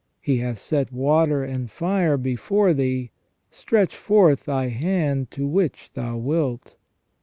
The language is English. He hath set water and fire before thee : stretch forth thy hand to which thou wilt.